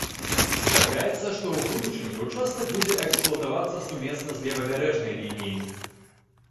Чакаецца, што ў будучыні ўчастак будзе эксплуатавацца сумесна з левабярэжнай лініі.